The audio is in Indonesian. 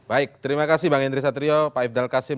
baik terima kasih bang henry satrio pak ifdal kasim